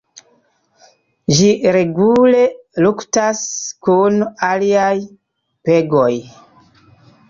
Ĝi regule luktas kun aliaj pegoj.